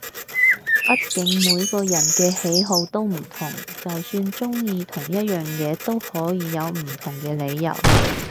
畢竟每個人嘅喜好都唔同，就算中意同一樣嘢都可以有唔同嘅理由